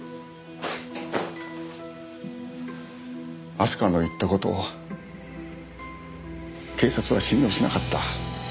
明日香の言った事を警察は信用しなかった。